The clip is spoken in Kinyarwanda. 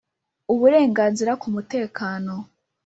Uburenganzira ku mutekano